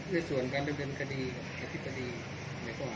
โดยส่วนการแบบเรียนคดีและอธิบดีในต่อไป